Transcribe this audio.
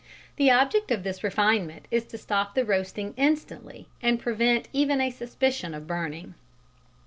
The object of this refinement is to stop the roasting instantly and prevent even a suspicion of burning.